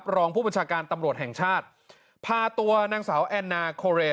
รองผู้บัญชาการตำรวจแห่งชาติพาตัวนางสาวแอนนาโคเรน